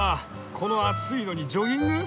この暑いのにジョギング？